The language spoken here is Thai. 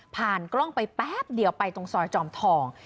กล้องไปแป๊บเดียวไปตรงซอยจอมทอง